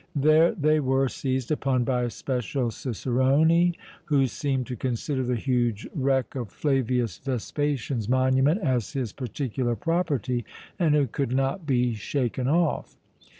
There they were seized upon by a special cicerone, who seemed to consider the huge wreck of Flavius Vespasian's monument as his particular property and who could not be shaken off.